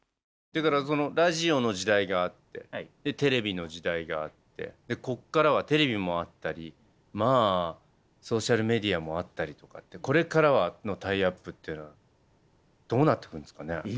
だからそのラジオの時代があってテレビの時代があってこっからはテレビもあったりまあソーシャルメディアもあったりとかってこれからのタイアップっていうのはどうなってくんですかね？